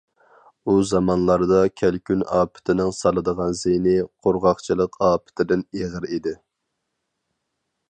ئۇ زامانلاردا كەلكۈن ئاپىتىنىڭ سالىدىغان زىيىنى قۇرغاقچىلىق ئاپىتىدىن ئېغىر ئىدى.